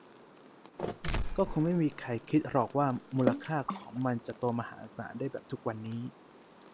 ก็คงไม่มีใครคิดหรอกว่ามูลค่าของมันจะโตมหาศาลได้แบบทุกวันนี้